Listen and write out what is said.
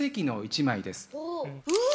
うわ！